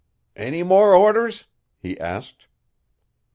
"Any more orders?" he asked.